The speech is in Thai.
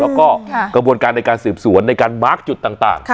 แล้วก็กระบวนการในการสืบสวนในการมาร์คจุดต่าง